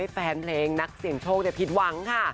แฟนเพลงนักเสียงโชคเดี๋ยวผิดหวังค่ะ